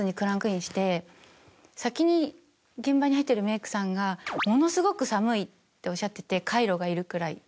先に現場に入ってるメークさんが。っておっしゃっててカイロがいるくらい。